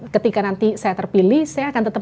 ketika nanti saya terpilih saya akan tetap